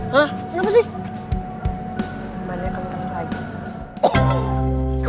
hah kenapa sih